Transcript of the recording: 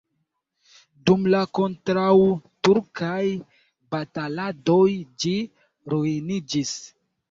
Dum la kontraŭturkaj bataladoj ĝi ruiniĝis.